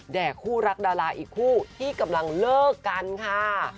คู่รักดาราอีกคู่ที่กำลังเลิกกันค่ะ